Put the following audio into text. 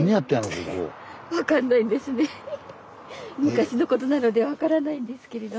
昔のことなので分からないんですけれど。